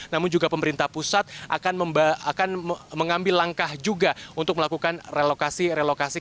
namun juga pemerintah pusat akan mengambil langkah juga untuk melakukan relokasi relokasi